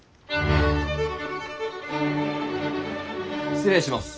・失礼します。